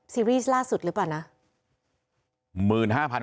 ซีรีส์ล่าสุดหรือเปล่านะ